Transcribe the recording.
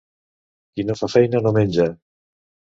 Qui no fa feina, no menja.